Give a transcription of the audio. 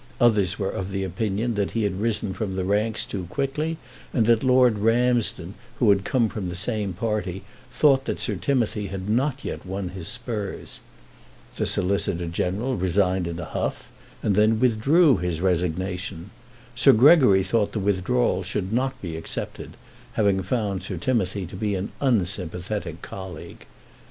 Others were of opinion that he had risen from the ranks too quickly, and that Lord Ramsden, who had come from the same party, thought that Sir Timothy had not yet won his spurs. The Solicitor General resigned in a huff, and then withdrew his resignation. Sir Gregory thought the withdrawal should not be accepted, having found Sir Timothy to be an unsympathetic colleague.